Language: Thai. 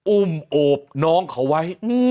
อุ้มโอบน้องเขาไว้